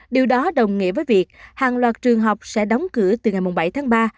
điều đó đồng nghĩa với việc hàng loạt trường học sẽ đóng cửa từ ngày bảy tháng ba